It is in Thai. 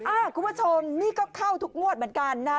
คุณผู้ชมนี่ก็เข้าทุกงวดเหมือนกันนะฮะ